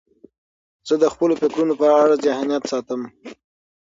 زه د خپلو فکرونو په اړه ذهنیت ساتم.